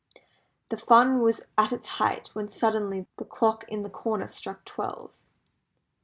The fun was at its height when suddenly the clock in the corner struck twelve.